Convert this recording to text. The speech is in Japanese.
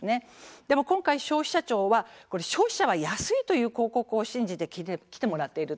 でも今回、消費者庁は消費者は安いという広告を信じて来てもらっている。